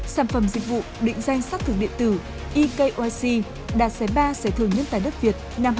sản phẩm dịch vụ định danh sát thưởng điện tử ekyc đạt giải ba giải thưởng nhất tại đất việt năm hai nghìn một mươi chín